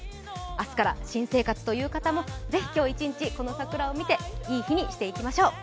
明日から新生活という方もぜひ今日一日、この桜を見ていい日にしていきましょう。